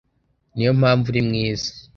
Niyo mpamvu uri mwiza.